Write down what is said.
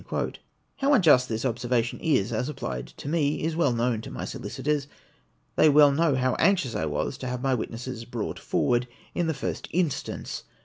How unjust this observation is, as applied to me, is well known to my solicitors — they well know how anxious I was to have my witnesses brought forward hi the Jirst instance.